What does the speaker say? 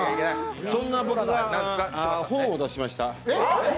そんな僕が本を出しました。